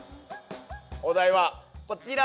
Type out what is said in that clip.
お題はこちらです！